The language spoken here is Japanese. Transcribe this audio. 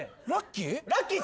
ラッキー？